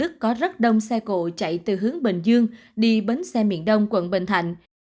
đức có rất đông xe cộ chạy từ hướng bình dương đi bến xe miền đông quận bình thạnh